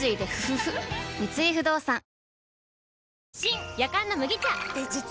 三井不動産あ。